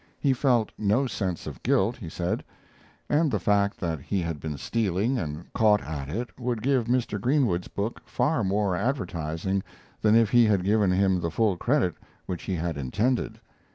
He felt no sense of guilt, he said; and the fact that he had been stealing and caught at it would give Mr. Greenwood's book far more advertising than if he had given him the full credit which he had intended.